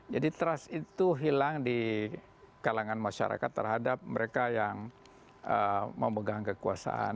jadi trust itu hilang di kalangan masyarakat terhadap mereka yang memegang kekuasaan